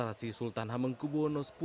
sarasi sultan hamengkubuono x